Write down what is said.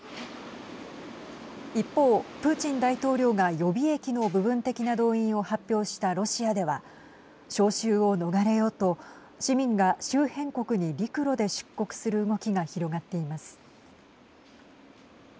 一方、プーチン大統領が予備役の部分的な動員を発表したロシアでは招集を逃れようと市民が周辺国に陸路で出国する動きが広がっています。